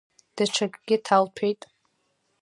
Даҽакгьы ҭалҭәеит.